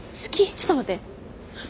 ちょっと待って！